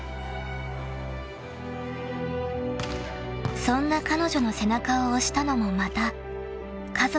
［そんな彼女の背中を押したのもまた家族の存在だった］